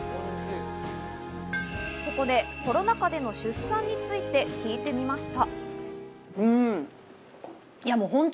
ここで、コロナ禍での出産について聞いてみました。